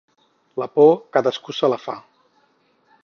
La por, cadascú se la fa.